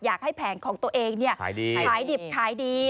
อยากให้แผงของตัวเองเนี่ยขายดีขายดิบขายดี